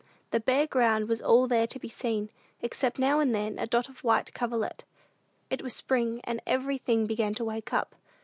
The bare ground was all there was to be seen, except now and then a dot of the white coverlet. It was Spring, and everything began to wake up.